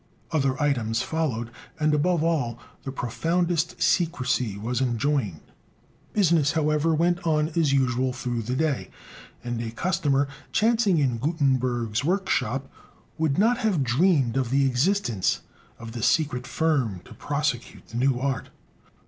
Other items followed; and, above all, the profoundest secrecy was enjoined. Business, however, went on as usual through the day; and a customer chancing in Gutenberg's work shop would not have dreamed of the existence of the secret firm to prosecute the new art.